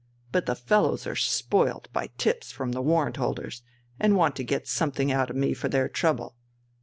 But the fellows are spoilt by tips from the warrant holders, and want to get something out of me for their trouble.